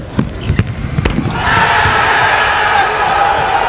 สวัสดีครับทุกคน